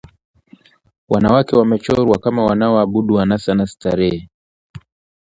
Wanawake wamechorwa kama wanaoabudu anasa na starehe